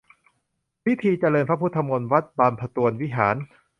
พิธีเจริญพระพุทธมนต์ วัดบรรพตวรวิหาร